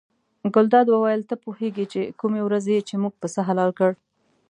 ګلداد وویل ته پوهېږې له کومې ورځې چې موږ پسه حلال کړ.